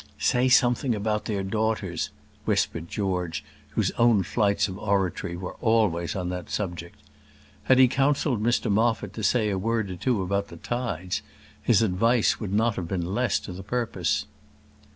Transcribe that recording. "Say something about their daughters," whispered George, whose own flights of oratory were always on that subject. Had he counselled Mr Moffat to say a word or two about the tides, his advice would not have been less to the purpose.